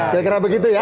tidak kira begitu ya